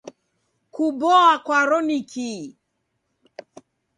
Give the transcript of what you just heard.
Kuboa kwaro ni kii?